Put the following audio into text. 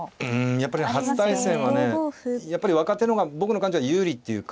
やっぱり初対戦はね若手の方が僕の感じでは有利っていうか。